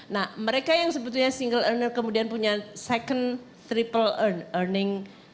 nah mereka yang sebetulnya single earner kemudian punya second triple earning